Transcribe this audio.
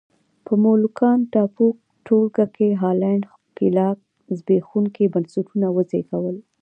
په مولوکان ټاپو ټولګه کې هالنډي ښکېلاک زبېښونکي بنسټونه وزېږول.